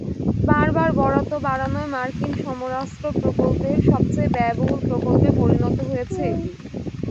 বারবার বরাদ্দ বাড়ানোয় মার্কিন সমরাস্ত্র প্রকল্পের সবচেয়ে ব্যয়বহুল প্রকল্পে পরিণত হয়েছে এটি।